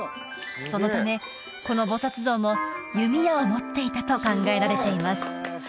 そのためこの菩薩像も弓矢を持っていたと考えられています